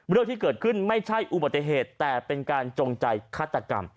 เรื่องที่เกิดขึ้นไม่ใช่อุบัติเหตุแต่เป็นการจงใจฆาตกรรม